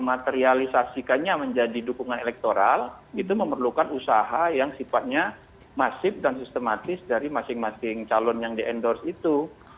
materialisasikannya menjadi dukungan elektoral itu memerlukan usaha yang sifatnya masif dan sistematis dari masing masing calon yang di endorse itu